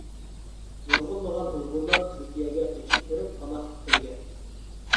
نۇرغۇنلىغان ئۇيغۇرلار تۈركىيەگە قېچىپ بېرىپ پاناھلىق تىلىگەن.